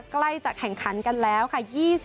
ใกล้จะแข่งขันกันแล้วค่ะ